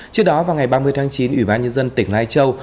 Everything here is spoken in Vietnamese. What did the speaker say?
trước đó vào ngày ba mươi tháng chín ubnd tỉnh lai châu